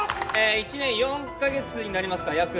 １年４か月になりますか約。